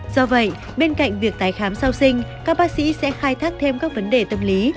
do vậy bên cạnh việc tái khám sau sinh các bác sĩ sẽ khai thác thêm các vấn đề tâm lý